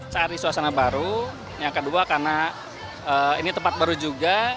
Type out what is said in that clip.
cari suasana baru yang kedua karena ini tempat baru juga